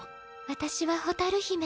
私は蛍姫。